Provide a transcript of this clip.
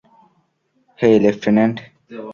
হেই, lieutenant!